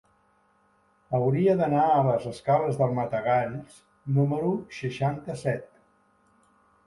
Hauria d'anar a les escales del Matagalls número seixanta-set.